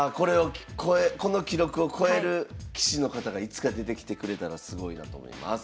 この記録を超える棋士の方がいつか出てきてくれたらすごいなと思います。